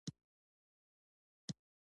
کلي د اقتصادي ودې لپاره ډېر ارزښت لري.